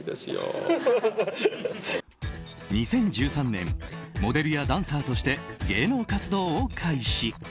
２０１３年モデルやダンサーとして芸能活動を開始。